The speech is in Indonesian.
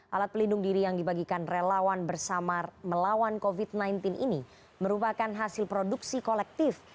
alat pelindung diri yang dibagikan relawan bersama melawan covid sembilan belas ini merupakan hasil produksi kolektif